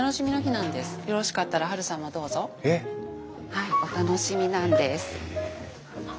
はいお楽しみなんです。